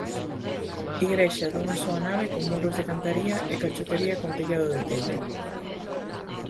Igrexa dunha soa nave con muros de cantaría e cachotería con tellado de tella.